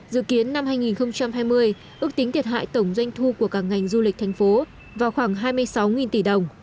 dự kiến năm hai nghìn hai mươi ước tính thiệt hại tổng doanh thu của các ngành du lịch thành phố vào khoảng hai mươi sáu tỷ đồng